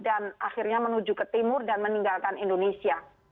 akhirnya menuju ke timur dan meninggalkan indonesia